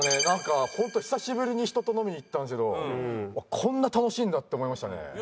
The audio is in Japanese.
なんかホント久しぶりに人と飲みに行ったんですけどこんな楽しいんだって思いましたね。